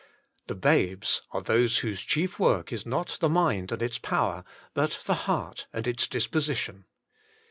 The babes are those whose chief work is not the mind and its power, but the heart and its disposition.